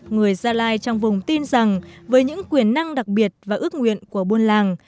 người gia lai trong vùng tin rằng với những quyền năng đặc biệt và ước nguyện của buôn làng